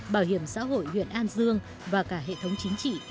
bảo hiểm xã hội huyện an dương và cả hệ thống chính trị